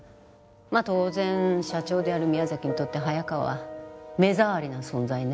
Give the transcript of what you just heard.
まあ当然社長である宮崎にとって早川は目障りな存在ね。